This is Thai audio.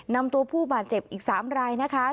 นำตัวผู้บาดเจ็บอีก๓รายนะคะ